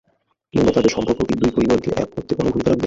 কিংবা তাদের সম্পর্ক কি দুই পরিবারকে এক করতে কোনো ভূমিকা রাখবে?